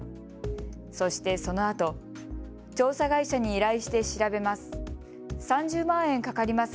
そしてそのあと調査会社に依頼して調べます。